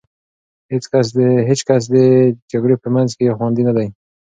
هېڅ کس د جګړې په منځ کې خوندي نه دی.